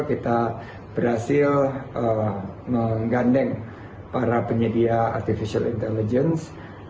kita berhasil menggandeng para penyedia artificial intelligence